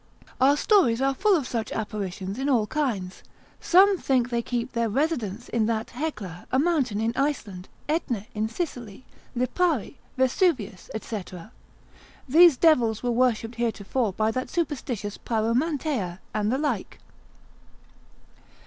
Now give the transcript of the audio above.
Our stories are full of such apparitions in all kinds. Some think they keep their residence in that Hecla, a mountain in Iceland, Aetna in Sicily, Lipari, Vesuvius, &c. These devils were worshipped heretofore by that superstitious Pyromanteia and the like.